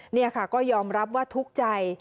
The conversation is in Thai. นี่ค่ะก็ยอมรับว่าทุกข์ใจ